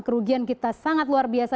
kerugian kita sangat luar biasa